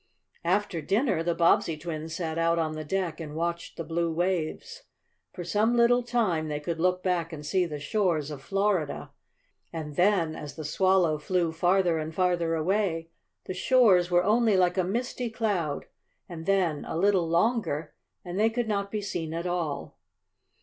After dinner the Bobbsey twins sat out on the deck, and watched the blue waves. For some little time they could look back and see the shores of Florida, and then, as the Swallow flew farther and farther away, the shores were only like a misty cloud, and then, a little longer, and they could not be seen at all.